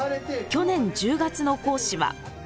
去年１０月の講師は。